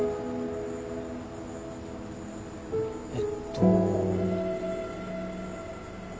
えっと。